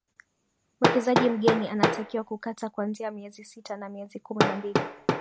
Mwekezaji mgeni anatakiwa kukata kuanzia miezi sita na miezi kumi na mbili